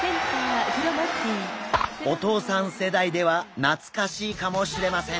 お父さん世代では懐かしいかもしれません。